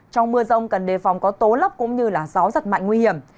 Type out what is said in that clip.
trong mưa rông cần đề phòng có tố lốc cũng như gió giật mạnh nguy hiểm